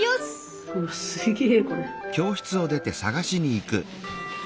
すげえ！